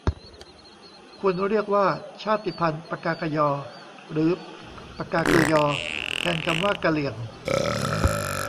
ควรเรียกว่าชาติพันธุ์ปกากะญอ หรือปกาเกอะญอ แทนคำว่ากะเหรี่ยง